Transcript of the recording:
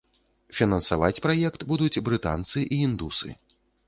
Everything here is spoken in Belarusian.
Фінансаваць праект будуць брытанцы і індусы.